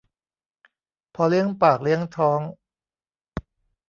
พอเลี้ยงปากเลี้ยงท้อง